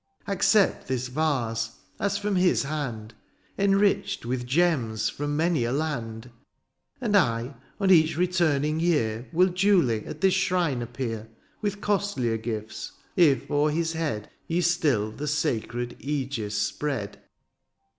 ^^ Accept this vase, as from his hand, '^ Enriched with gems from many a land ;^^ And I, on each returning year, ^^ WiU duly at this shrine appear, ^^ With costlier gifts, if o'er his head ^^ Ye stiU the sacred i£gis spread.